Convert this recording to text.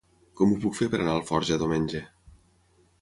Com ho puc fer per anar a Alforja diumenge?